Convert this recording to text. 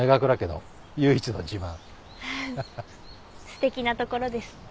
すてきなところです。